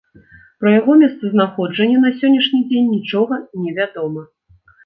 Пра яго месцазнаходжанне на сённяшні дзень нічога не вядома.